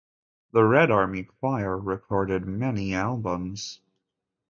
The Red Army Choir recorded many albums.